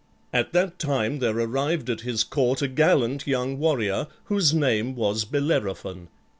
At that time there arrived at his court a gallant young warrior, whose name was Bellerophon.